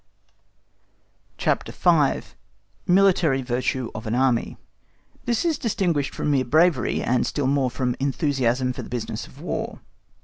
CHAPTER V. Military Virtue of an Army This is distinguished from mere bravery, and still more from enthusiasm for the business of War.